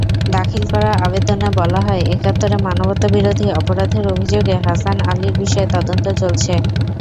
দাখিল করা আবেদনে বলা হয়, একাত্তরে মানবতাবিরোধী অপরাধের অভিযোগে হাসান আলীরবিষয়ে তদন্ত চলছে।